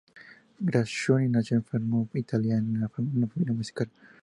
Graziani nació en Fermo, Italia, en una familia musical.